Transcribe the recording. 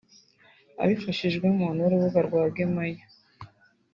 abifashijwemo n’urubuga rwa gemeya